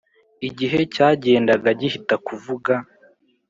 igihe cyagendaga gihita kuvuga